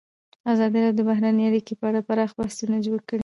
ازادي راډیو د بهرنۍ اړیکې په اړه پراخ بحثونه جوړ کړي.